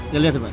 ya lihat pak